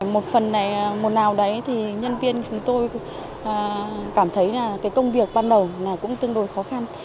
một phần này một nào đấy thì nhân viên chúng tôi cảm thấy là cái công việc ban đầu là cũng tương đối khó khăn